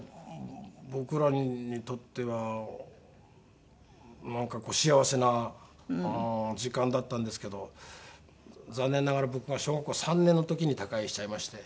僕らにとってはなんか幸せな時間だったんですけど残念ながら僕が小学校３年の時に他界しちゃいまして。